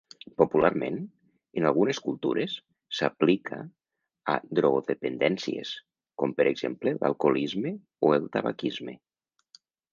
Popularment, en algunes cultures, s'aplica a drogodependències, com per exemple l'alcoholisme o el tabaquisme.